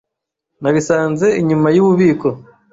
Nabisanze inyuma yububiko.